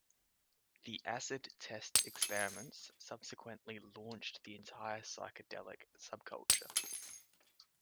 The Acid Test experiments subsequently launched the entire psychedelic subculture.